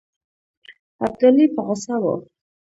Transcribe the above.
ابدالي په غوسه وو.